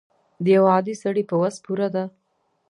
د یو عادي سړي په وس پوره ده.